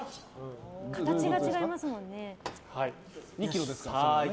形が違いますもんね。